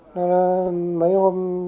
nó mấy hôm